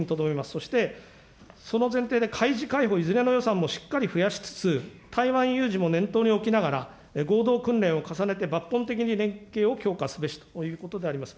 そして、その前提で海自、海保、いずれの予算もしっかり増やしつつ、台湾有事も念頭に置きながら、合同訓練を重ねて、抜本的に連携を強化すべしということであります。